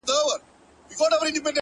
o ستا تر ځوانۍ بلا گردان سمه زه ـ